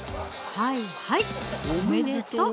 はいはいおめでとう